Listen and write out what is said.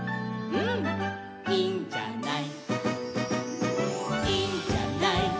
「うん、いいんじゃない」